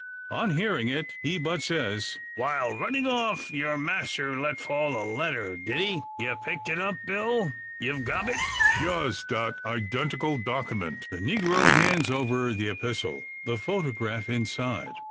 On hearing it, he but says: "While runnin' off, yur master let fall a letter, did he? You picked it up, Bill? Ye've gob it?" "Hya's dat eyedentikil dockyment." The negro hands over the epistle, the photograph inside.